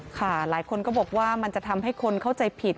หลายคนก็บอกว่ามันจะทำให้คนเข้าใจผิด